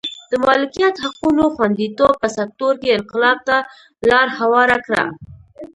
د مالکیت حقونو خوندیتوب په سکتور کې انقلاب ته لار هواره کړه.